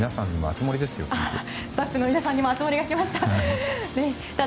スタッフの皆さんにも熱盛が来ました。